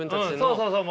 そうそうそう。